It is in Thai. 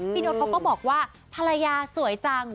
โน๊ตเขาก็บอกว่าภรรยาสวยจัง